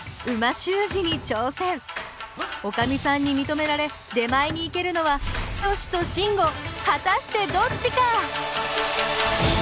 おかみさんにみとめられ出前に行けるのはツヨシとシンゴ果たしてどっちか！？